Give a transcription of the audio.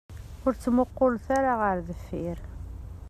Ur ttmuqulet ara ɣer deffir.